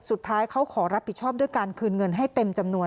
สุดท้ายเขาขอรับผิดชอบด้วยการคืนเงินให้เต็มจำนวน